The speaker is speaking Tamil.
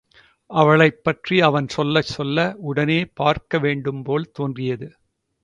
அவளைப் பற்றி அவன் சொல்ல சொல்ல, அவளை உடனே பார்க்க வேண்டும்போல் தோன்றியது.